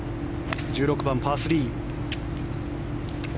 １６番、パー３。